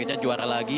iya harus juara lagi